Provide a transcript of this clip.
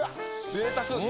ぜいたく。